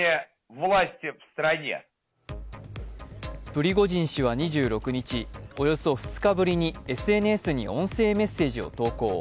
プリゴジン氏は２６日、およそ２日ぶりにＳＮＳに音声メッセージを投稿。